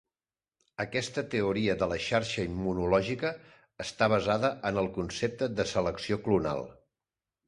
Aquesta Teoria de la xarxa immunològica està basada en el concepte de selecció clonal.